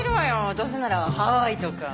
どうせならハワイとか。